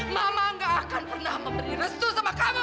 mama tidak akan pernah memberi restu sama kamu